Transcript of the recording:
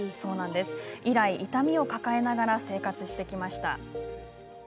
以来、痛みを抱えながら生活してきました。